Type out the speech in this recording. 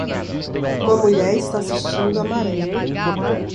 Uma mulher está assistindo a maré